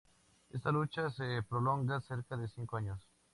Esta lucha se prolonga cerca de cinco años.